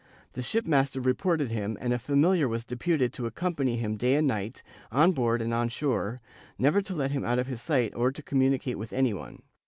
The shipmaster reported him and a familiar was deputed to accom pany him day and night, on board and on shore, never to let him out of his sight or to communicate with any one.